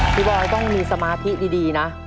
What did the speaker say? บอยต้องมีสมาธิดีนะ